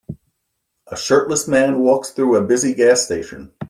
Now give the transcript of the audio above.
A shirtless man walks through a busy gas station.